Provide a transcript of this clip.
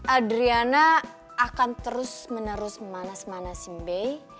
adriana akan terus menerus memanas manasin bay